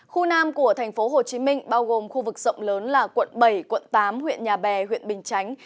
khu nam của tp hcm bao gồm khu vực rộng lớn là quận bảy quận tám huyện nhà bè huyện bình chánh